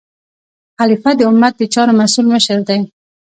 خلیفه د امت د چارو مسؤل مشر دی.